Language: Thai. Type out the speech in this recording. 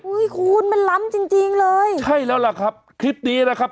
คุณมันล้ำจริงจริงเลยใช่แล้วล่ะครับคลิปนี้นะครับ